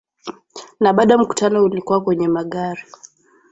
na bado mkutano ulikuwa kwenye magari